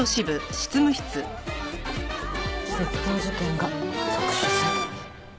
窃盗事件が特殊詐欺に。